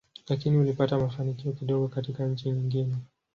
Lakini ulipata mafanikio kidogo katika nchi nyingine.